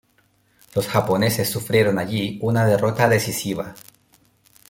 Los japoneses sufrieron allí una derrota decisiva.